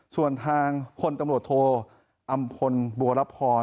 ส่วนทางคนตำรวจโทรอำพลบัวรับภอน